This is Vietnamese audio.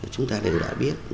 chúng ta đều đã biết khá nhiều